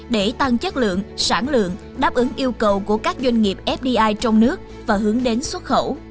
để tăng chất lượng sản lượng đáp ứng yêu cầu của các doanh nghiệp fdi trong nước và hướng đến xuất khẩu